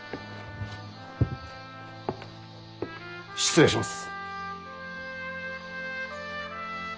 失礼します。